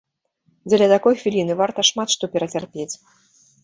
Дзеля такой хвіліны варта шмат што перацярпець!